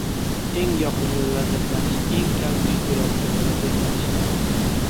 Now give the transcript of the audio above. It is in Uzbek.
Eng yoqimli lazzatlanish eng kam yuz beradigan lazzatlanishdir.